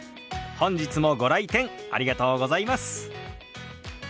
本日もご来店ありがとうございます。